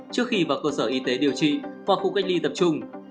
trước khi vào cơ sở y tế điều trị qua khu cách ly tập trung